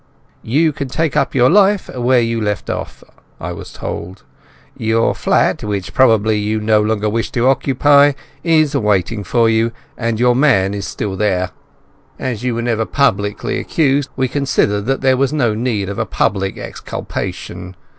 "You can take up your life where you left off," I was told. "Your flat, which probably you no longer wish to occupy, is waiting for you, and your man is still there. As you were never publicly accused, we considered that there was no need of a public exculpation.